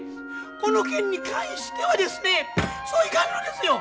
この件に関してはですねそうはいかんのですよ！